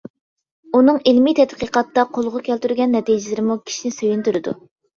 ئۇنىڭ ئىلمىي تەتقىقاتتا قولغا كەلتۈرگەن نەتىجىلىرىمۇ كىشىنى سۆيۈندۈرىدۇ.